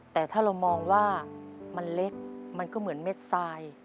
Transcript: แต่ถ้าเรามองว่ามันเล็กมันก็เหมือนเม็ดทราย